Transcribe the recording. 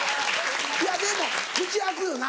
いやでも口開くよな